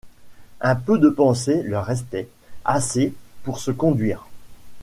Un peu de pensée leur restait, assez pour se conduire.